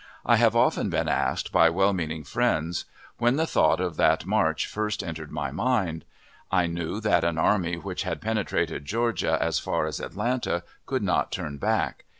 I have often been asked, by well meaning friends, when the thought of that march first entered my mind. I knew that an army which had penetrated Georgia as far as Atlanta could not turn back.